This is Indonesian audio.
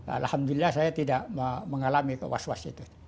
alhamdulillah saya tidak mengalami ke was was itu